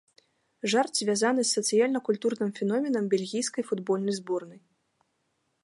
Жарт звязаны з сацыяльна-культурным феноменам бельгійскай футбольнай зборнай.